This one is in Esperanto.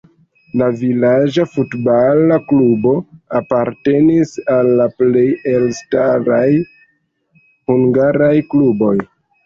La vilaĝa futbala klubo apartenis al la plej elstaraj hungaraj kluboj.